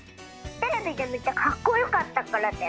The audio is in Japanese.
テレビでみてかっこよかったからです。